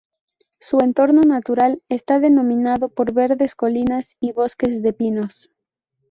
Su entorno natural está dominado por verdes colinas y bosques de pinos.